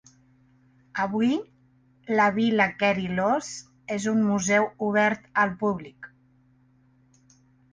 Avui, la Vila Kerylos és un Museu obert al públic.